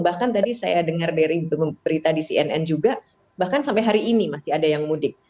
bahkan tadi saya dengar dari berita di cnn juga bahkan sampai hari ini masih ada yang mudik